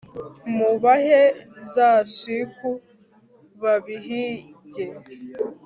mubahe za shiku babihinge